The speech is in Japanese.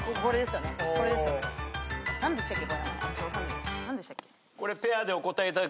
何でしたっけ？